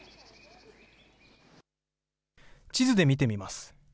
地図で見てみます。